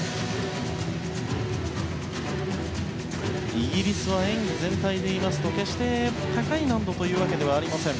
イギリスは演技全体でいいますと決して高い難度というわけではありません。